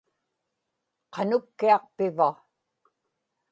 qanukkiaq piva